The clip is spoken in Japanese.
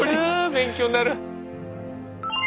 勉強になる。